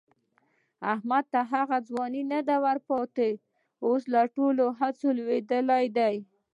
احمد ته هغه ځواني نه ده ورپاتې، اوس له ټولو هڅو نه لوېدلی دی.